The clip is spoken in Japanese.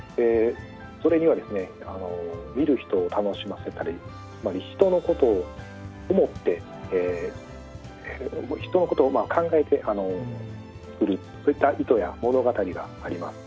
それには見る人を楽しませたり人のことを思って人のことを考えてつくるそういった意図や物語があります。